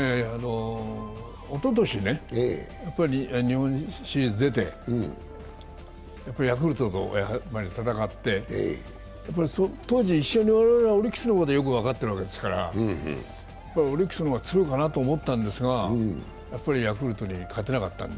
おととし、日本シリーズ出て、ヤクルトと戦って、当時、我々は一緒でオリックスのことをよく分かってるわけですからねオリックスの方が強いかなと思ったんですが、やっぱりヤクルトに勝てなかったんで。